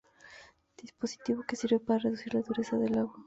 Dispositivo que sirve para reducir la dureza del agua.